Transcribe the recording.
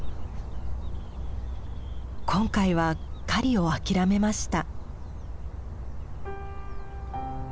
今回は狩りを諦めました。